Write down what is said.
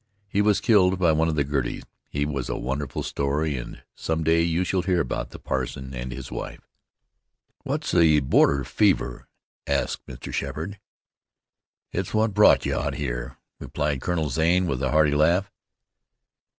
He was killed by one of the Girtys. His was a wonderful story, and some day you shall hear about the parson and his wife." "What's the border fever?" asked Mr. Sheppard. "It's what brought you out here," replied Colonel Zane with a hearty laugh.